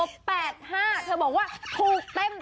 เธอบอกว่าถูกเต็ม